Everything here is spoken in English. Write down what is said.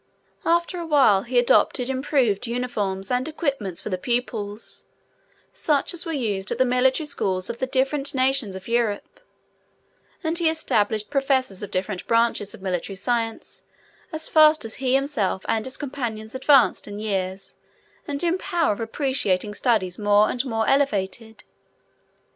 After a while he adopted improved uniforms and equipments for the pupils, such as were used at the military schools of the different nations of Europe; and he established professors of different branches of military science as fast as he himself and his companions advanced in years and in power of appreciating studies more and more elevated.